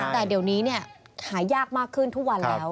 แต่เดี๋ยวนี้หายากมากขึ้นทุกวันแล้ว